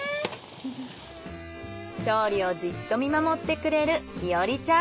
調理をじっと見守ってくれる桧和ちゃん。